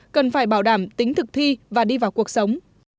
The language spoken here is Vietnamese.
cần phải bảo đảm tính thực thi và đi vào cuộc sống